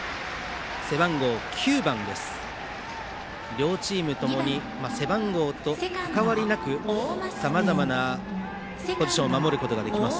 両チームともに背番号とかかわりなくさまざまなポジションを守ることができます。